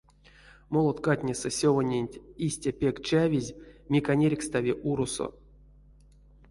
Молоткатнесэ сёвоненть истя пек чавизь, мик а нерькстави уросо.